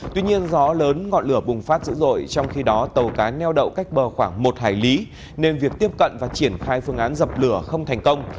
tuy nhiên gió lớn ngọn lửa bùng phát dữ dội trong khi đó tàu cá neo đậu cách bờ khoảng một hải lý nên việc tiếp cận và triển khai phương án dập lửa không thành công